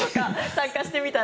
参加してみたら。